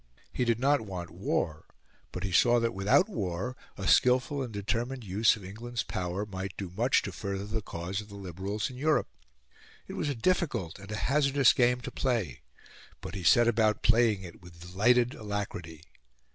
He did not want war; but he saw that without war a skilful and determined use of England's power might do much to further the cause of the Liberals in Europe. It was a difficult and a hazardous game to play, but he set about playing it with delighted alacrity.